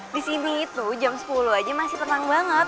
di sini itu jam sepuluh aja masih tenang banget